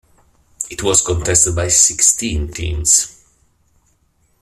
It was contested by sixteen teams.